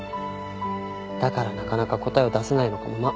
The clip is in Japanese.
だからなかなか答えを出せないのかもな。